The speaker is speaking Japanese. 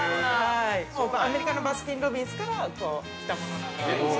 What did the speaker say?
アメリカのバスキン・ロビンスから来たものなので。